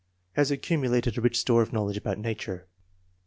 Has accum ulated a rich store of knowledge about nature.